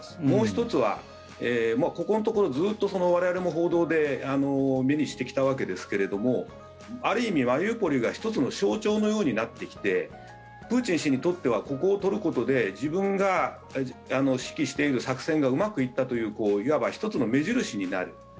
もう１つはここのところずっと我々も報道で目にしてきたわけですけれどもある意味マリウポリが１つの象徴のようになってきてプーチン氏にとってはここを取ることで自分が指揮している作戦がうまくいったといういわば１つの目印になる。